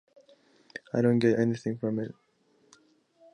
I don’t get anything from it.